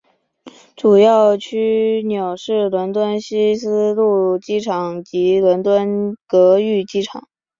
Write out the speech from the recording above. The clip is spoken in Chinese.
主要枢纽是伦敦希斯路机场及伦敦格域机场。